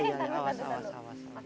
ini gatul ya pak bapak tajam ya pak